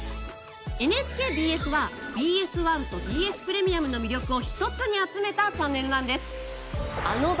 ＮＨＫＢＳはＢＳ１とＢＳプレミアムの魅力を一つに集めたチャンネルなんです。